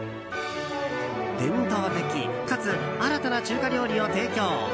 伝統的かつ新たな中華料理を提供。